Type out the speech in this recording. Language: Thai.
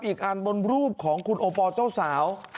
อีกอันบนรูปของคุณโอปอลเจ้าสาว